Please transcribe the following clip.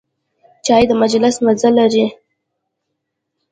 چای د مجلس مزه لري.